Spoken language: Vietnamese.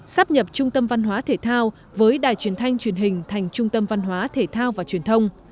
sắp nhập trung tâm văn hóa thể thao với đài truyền thanh truyền hình thành trung tâm văn hóa thể thao và truyền thông